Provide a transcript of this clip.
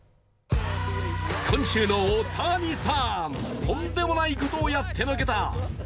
今週の大谷さん、とんでもないことをやってのけた。